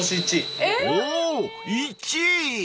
［おお１位！］